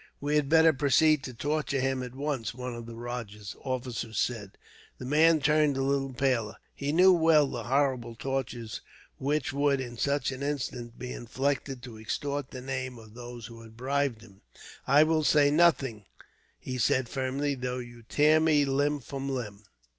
"We had better proceed to torture him, at once," one of the rajah's officers said. The man turned a little paler. He knew well the horrible tortures which would, in such an instance, be inflicted to extort the names of those who had bribed him. "I will say nothing," he said, firmly, "though you tear me limb from limb."